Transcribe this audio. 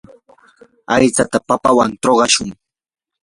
aytsata papawan trukashun.